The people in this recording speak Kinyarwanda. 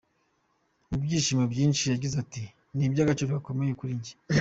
Mu byishimo byinshi yagize ati ‘‘ Ni iby’agaciro gakomeye kuri njye.